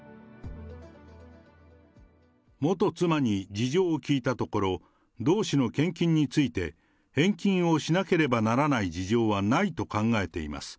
元妻に事情を聞いたところ、同氏の献金について、返金をしなければならない事情はないと考えています。